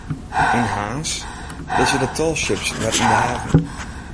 Yn Harns lizze de tallships wer yn de haven.